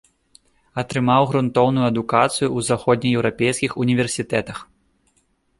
Атрымаў грунтоўную адукацыю ў заходнееўрапейскіх універсітэтах.